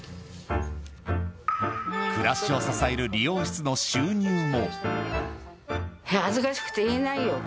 暮らしを支える理容室の収入も。